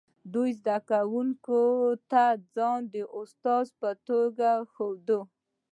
دوی زده کوونکو ته ځان د استازو په توګه ښوده